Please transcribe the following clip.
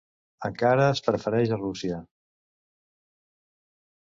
Encara es prefereix a Rússia.